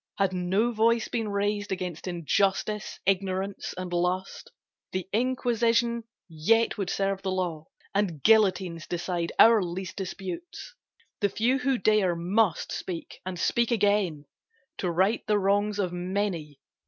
Had no voice been raised Against injustice, ignorance and lust The Inquisition yet would serve the law And guillotines decide our least disputes. The few who dare must speak and speak again To right the wrongs of many.